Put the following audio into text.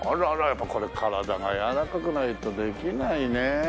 やっぱりこれ体が柔らかくないとできないね。